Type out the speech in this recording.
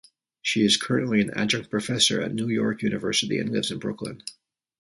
She is currently an adjunct professor at New York University and lives in Brooklyn.